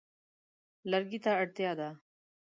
لرګي ته اړتیا ده.